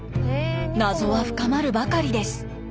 謎は深まるばかりです。